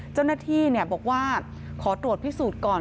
เจ้าหน้าที่บอกว่าขอตรวจพิสูจน์ก่อน